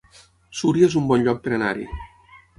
Súria es un bon lloc per anar-hi